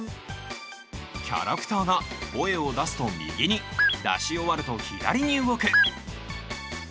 キャラクターが声を出すと右に。出し終わると左に動く。